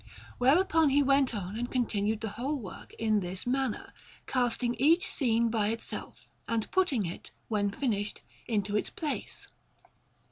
Whereupon he went on and continued the whole work in this manner, casting each scene by itself, and putting it, when finished, into its place.